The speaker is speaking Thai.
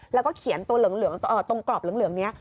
และเขียนตัวกรอบเหลืองนี้